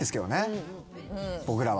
僕らは。